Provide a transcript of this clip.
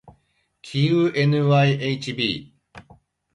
きう ｎｙｈｂ